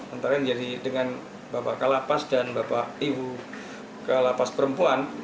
antara yang jadi dengan bapak kalapas dan bapak ibu kalapas perempuan